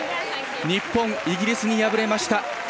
日本、イギリスに敗れました。